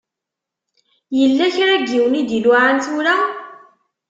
Yella kra n yiwen i d-iluɛan tura.